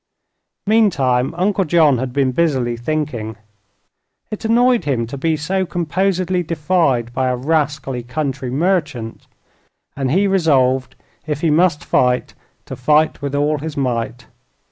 Meantime Uncle John had been busily thinking. It annoyed him to be so composedly defied by a rascally country merchant, and he resolved, if he must fight, to fight with all his might.